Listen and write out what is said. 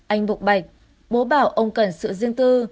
anh bục bạch bố bảo ông cần sự riêng tư